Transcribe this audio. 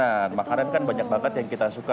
dari makanan makanan kan banyak banget yang kita suka